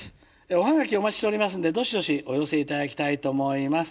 おハガキお待ちしておりますんでどしどしお寄せ頂きたいと思います。